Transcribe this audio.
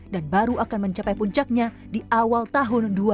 dan baru akan mencapai puncaknya di awal tahun dua ribu dua puluh